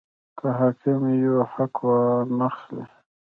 که حاکم یو حق وانه خلي.